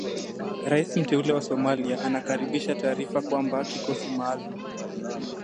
Rais mteule wa Somalia anakaribisha taarifa kwamba kikosi maalum